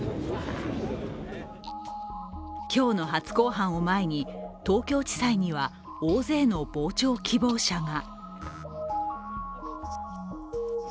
今日の初公判を前に、東京地裁には大勢の傍聴希望者が。